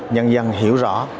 nhân dân hiểu rõ